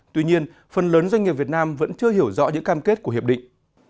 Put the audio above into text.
tuy nhiên phần lớn doanh nghiệp việt nam vẫn chưa hiểu rõ những cam kết của hiệp định